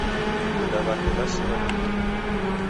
Punda wake wasilwa ni ndighi